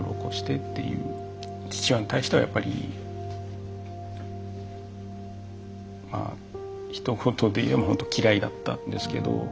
父親に対してはやっぱりまあひと言で言えばほんと嫌いだったんですけど。